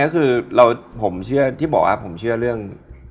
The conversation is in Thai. ว่าผมเชื่อเรื่อง